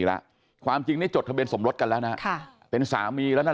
แล้วความจริงนี่จดทะเบียนสมรสกันแล้วนะค่ะเป็นสามีแล้วนั่น